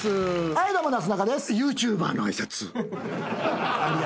はいどうもなすなかです。